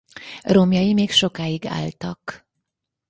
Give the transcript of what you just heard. Romjai még sokáig álltak.